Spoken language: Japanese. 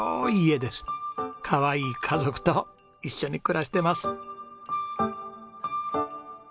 かわいい家族と一緒に暮らしてます。